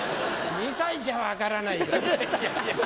２歳じゃ分からないよ。